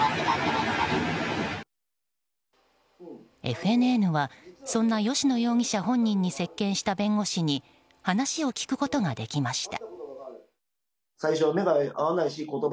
ＦＮＮはそんな吉野容疑者本人に接見した弁護士に話を聞くことができました。